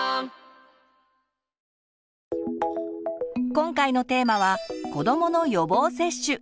今回のテーマは「子どもの予防接種」。